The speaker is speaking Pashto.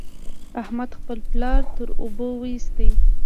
احمد خپل پلار تر اوبو وېست.